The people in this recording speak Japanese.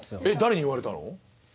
えっ誰に言われたの？